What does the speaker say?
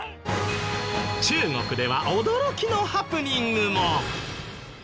中国では驚きのハプニングも。